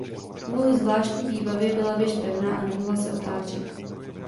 Kvůli zvláštní výbavě byla věž pevná a nemohla se otáčet.